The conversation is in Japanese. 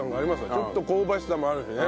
ちょっと香ばしさもあるしね。